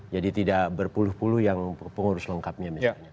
jadi tidak berpuluh puluh yang pengurus lengkapnya misalnya